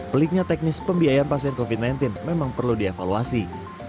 peliknya teknis pembiayaan pasien covid sembilan belas memang perlu dievaluasi